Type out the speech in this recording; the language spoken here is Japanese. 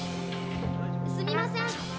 すみません。